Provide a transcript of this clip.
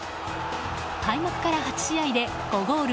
開幕から８試合で５ゴール